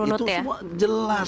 itu semua jelas